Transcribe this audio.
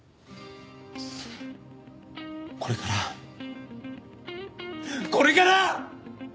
これからこれから！